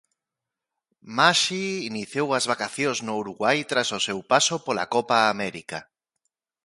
Maxi iniciou as vacacións no Uruguai tras o seu paso pola Copa América.